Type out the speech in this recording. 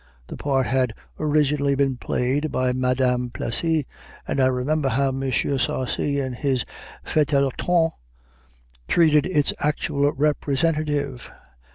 The part had originally been played by Madame Plessy; and I remember how M. Sarcey in his feuilleton treated its actual representative.